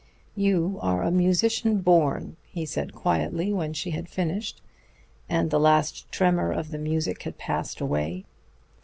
"You are a musician born," he said quietly when she had finished, and the last tremor of the music had passed away.